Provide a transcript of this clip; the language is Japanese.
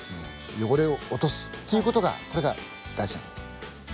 汚れを落とすという事がこれが大事なんです。